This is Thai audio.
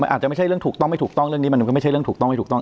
อาจจะไม่ใช่เรื่องถูกต้องไม่ถูกต้องเรื่องนี้มันก็ไม่ใช่เรื่องถูกต้องไม่ถูกต้อง